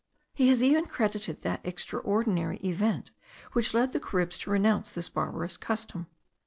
He has even credited that extraordinary event which led the Caribs to renounce this barbarous custom.